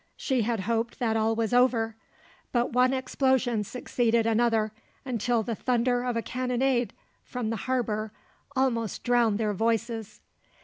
She had hoped that all was over; but one explosion succeeded another, until the thunder of a cannonade from the harbour almost drowned their voices.